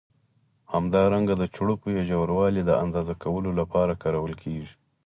همدارنګه د چوړپو یا ژوروالي د اندازه کولو له پاره کارول کېږي.